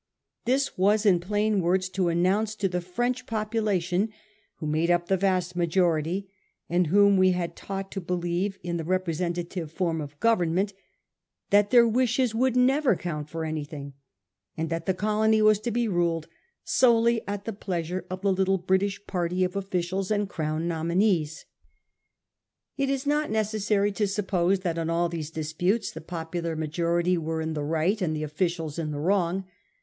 This was in plain words to announce to the French population, who made up the vast majority, and whom we had taught to believe in the representative form of government, that their wishes would never count for anything, and that the colony was to be ruled solely at the pleasure of the little British party of officials and crown nominees. It is not necessary to suppose that in all these disputes the popular majority were in the right and the officials in the wrong.